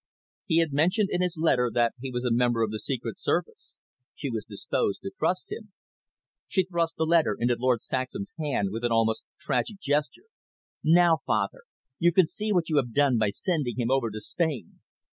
He had mentioned in his letter that he was a member of the Secret Service. She was disposed to trust him. She thrust the letter into Lord Saxham's hand with an almost tragic gesture. "Now, father, you can see what you have done by sending him over to Spain.